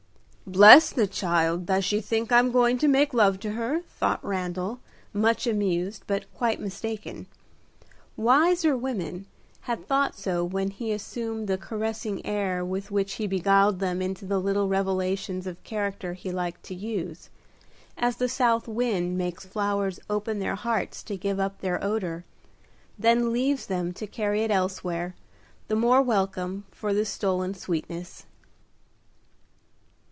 "Bless the child, does she think I'm going to make love to her," thought Randal, much amused, but quite mistaken. Wiser women had thought so when he assumed the caressing air with which he beguiled them into the little revelations of character he liked to use, as the south wind makes flowers open their hearts to give up their odor, then leaves them to carry it elsewhere, the more welcome for the stolen sweetness.